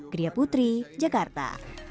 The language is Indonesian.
kriya putri jakarta